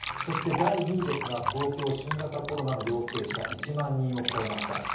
第２位ですが、東京、新型コロナの陽性者１万人を超えました。